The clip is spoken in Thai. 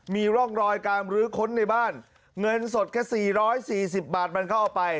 มีร่องรอยการรื้อค้นในบ้านเงินสดแค่๔๔๐บาทมันก็เอาไป